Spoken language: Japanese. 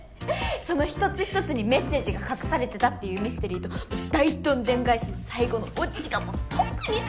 その一つ一つにメッセージが隠されてたっていうミステリーと大どんでん返しの最後のオチがもう特に秀逸でしたよね！